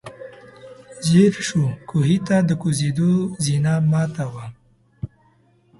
ځير شو، کوهي ته د کوزېدو زينه ماته وه.